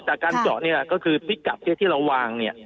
แต่การเจาะก็คือพิกัดที่เราวาง